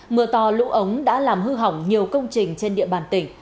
mưa to lũ ống đã làm hư hỏng nhiều công trình trên địa bàn tỉnh